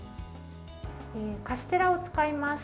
カステラを使います。